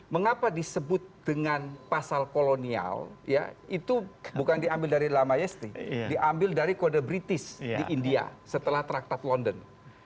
mengapa disebut dengan pasal kolonial itu bukan diambil dari lama yesti diambil dari kode british di india setelah traktat london